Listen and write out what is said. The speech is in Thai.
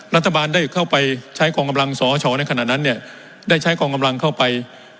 รัฐบาลได้เข้าไปใช้กองกำลังสอชในขณะนั้นเนี่ยได้ใช้กองกำลังเข้าไป